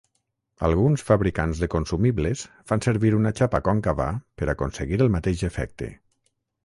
Alguns fabricants de consumibles fan servir una xapa còncava per aconseguir el mateix efecte.